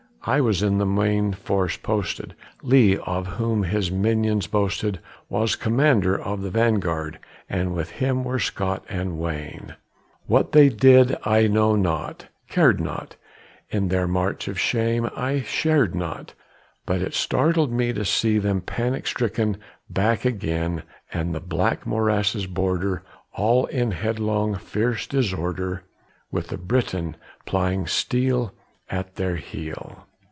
I was in the main force posted; Lee, of whom his minions boasted, Was commander of the vanguard, and with him were Scott and Wayne. What they did I know not, cared not; in their march of shame I shared not; But it startled me to see them panic stricken back again, At the black morass's border, all in headlong, fierce disorder, With the Briton plying steel at their heel.